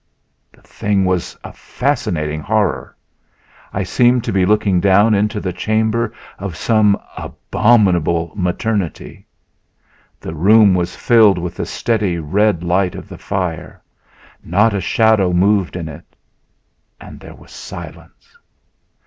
The thing was a fascinating horror; I seemed to be looking down into the chamber of some abominable maternity. The room was filled with the steady red light of the fire. Not a shadow moved in it. And there was silence.